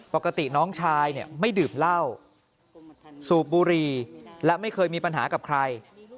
ปกติน้องชายเนี่ยไม่ดื่มเหล้าสูบบุหรี่และไม่เคยมีปัญหากับใคร